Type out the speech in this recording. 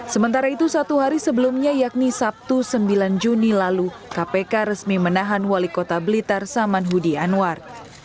sementara itu satu hari sebelumnya yakni sabtu sembilan juni lalu kpk resmi menahan wali kota blitar saman hudi anwar